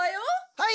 はい！